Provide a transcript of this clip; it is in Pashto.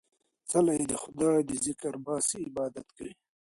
څله يې د خداى د ذکر باسې ، عبادت کوي